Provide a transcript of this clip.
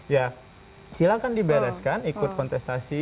ya silahkan dibereskan ikut kontestasi